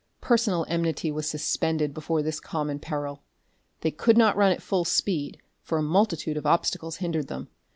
Personal enmity was suspended before this common peril. They could not run at full speed, for a multitude of obstacles hindered them.